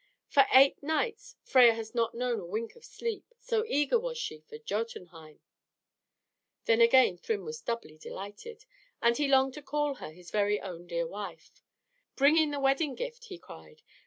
For eight nights Freia has not known a wink of sleep, so eager was she for Jotunheim." Then again Thrym was doubly delighted, and he longed to call her his very own dear wife. "Bring in the wedding gift!" he cried.